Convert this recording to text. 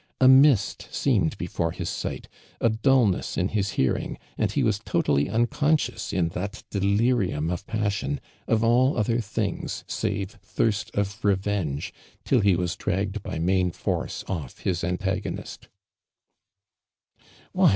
.\ mist eemed hefore his sight, a dulne.ss in his iiearing. and he was totally unconscious, in lhatdeliri\mi of i)assion, of all other things ■'live thirst of revenge, till lie was dragged hy main force ott'his antagoni it. "Why.